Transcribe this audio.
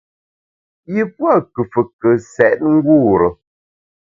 Yi pua’ nkùfùke sèt ngure.